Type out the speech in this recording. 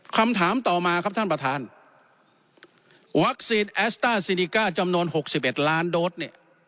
คำถามต่อมาครับท่านประธานวัคซีนแอสต้าซีนิก้าจำนวน๖๑ล้านโดสเนี่ย